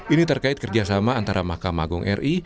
ini terkait kerjasama antara mahkamah agung ri